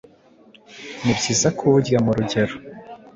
ni byiza kuwurya mu rugero